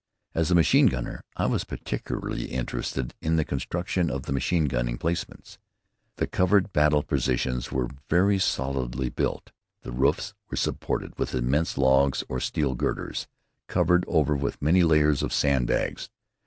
As a machine gunner I was particularly interested in the construction of the machine gun emplacements. The covered battle positions were very solidly built. The roofs were supported with immense logs or steel girders covered over with many layers of sandbags.